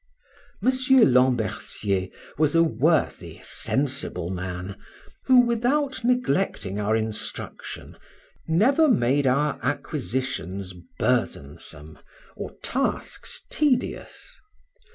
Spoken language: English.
M. Lambercier was a worthy, sensible man, who, without neglecting our instruction, never made our acquisitions burthensome, or tasks tedious.